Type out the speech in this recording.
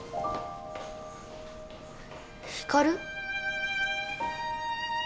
光？